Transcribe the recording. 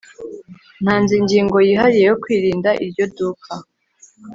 ntanze ingingo yihariye yo kwirinda iryo duka